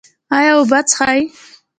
ایا اوبه څښئ؟